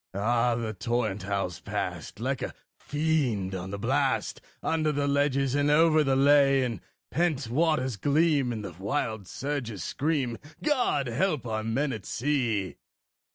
Ah! the torrent howls past, like a fiend on the blast, Under the ledges and over the lea; And the pent waters gleam, and the wild surges scream God help our men at sea!